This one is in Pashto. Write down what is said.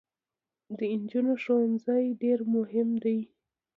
د جینکو ښوونځي ډیر مهم دی